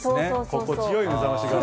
心地よい目覚まし代わり。